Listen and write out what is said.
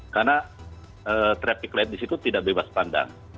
karena traffic light di situ tidak bebas pandang